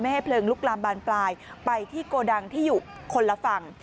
ให้เพลิงลุกลามบานปลายไปที่โกดังที่อยู่คนละฝั่ง